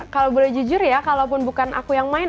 kalau boleh jujur ya kalaupun bukan aku yang main